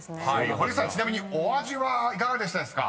［堀内さんちなみにお味はいかがでしたですか？］